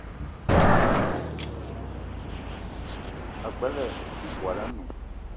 Ag͡bela ibwal anoun